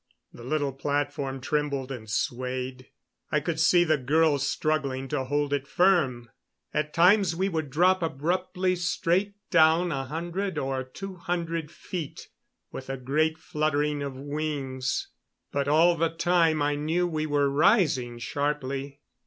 The little platform trembled and swayed. I could see the girls struggling to hold it firm. At times we would drop abruptly straight down a hundred or two hundred feet, with a great fluttering of wings; but all the time I knew we were rising sharply.